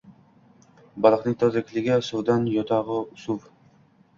Baliqning tirikligi suvdan, yotog‘i - suv